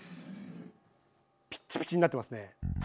ピッチピチになってますね。